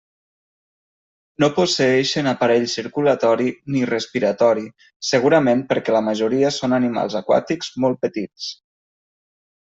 No posseïxen aparell circulatori ni respiratori, segurament perquè la majoria són animals aquàtics molt petits.